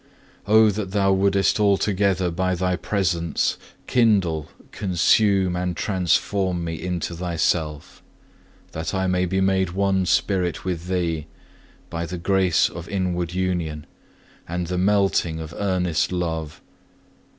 3. Oh that Thou wouldest altogether by Thy presence, kindle, consume, and transform me into Thyself; that I may be made one spirit with Thee, by the grace of inward union, and the melting of earnest love!